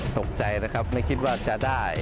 ตกใจนะครับไม่คิดว่าจะได้